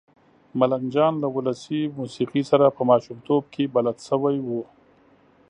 ملنګ جان له ولسي موسېقۍ سره په ماشومتوب کې بلد شوی و.